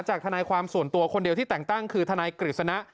ทนายความส่วนตัวคนเดียวที่แต่งตั้งคือทนายกฤษณะ